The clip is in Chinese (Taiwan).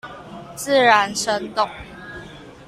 自然生動